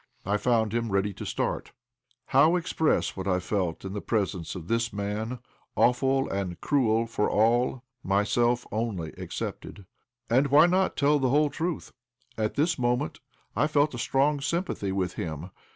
I found him ready to start. How express what I felt in the presence of this man, awful and cruel for all, myself only excepted? And why not tell the whole truth? At this moment I felt a strong sympathy with him.